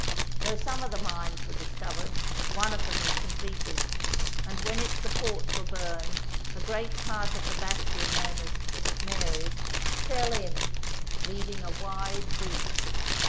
Though some of the mines were discovered, one of them was com pleted, and when its supports were burned, a great part of the bastion known as " St. Mary's " fell in, leaving a wide breach.